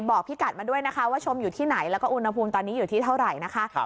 พี่กัดมาด้วยนะคะว่าชมอยู่ที่ไหนแล้วก็อุณหภูมิตอนนี้อยู่ที่เท่าไหร่นะคะ